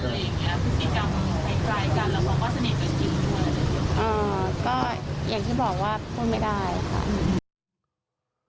ก็อย่างที่บอกว่าพูดไม่ได้ค่ะ